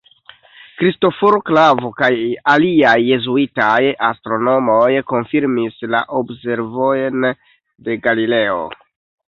Kristoforo Klavo kaj aliaj jezuitaj astronomoj konfirmis la observojn de Galileo.